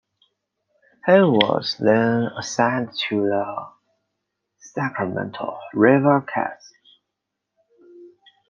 He was then assigned to the Sacramento River Cats.